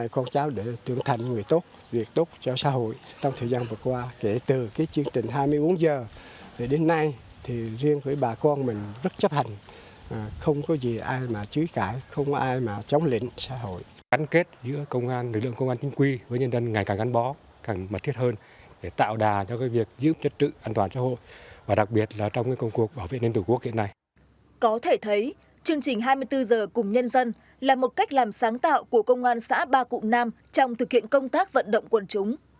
có thể thấy chương trình hai mươi bốn h cùng nhân dân là một cách làm sáng tạo của công an xã ba cụm nam trong thực hiện công tác vận động quân chúng